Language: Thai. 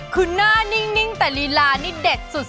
คือหน้านิ่งแต่ลีลานี่เด็ดสุด